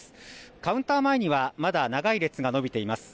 カウンター前にはまだ長い列が伸びています。